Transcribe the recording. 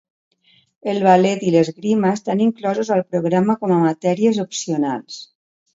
El ballet i l'esgrima estan inclosos al programa com a matèries opcionals.